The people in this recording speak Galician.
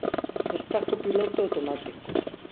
Está co piloto automático.